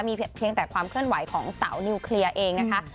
มีเพียงแต่ความเคลื่อนไหวของสาวนิวเคลียร์เองนะคะ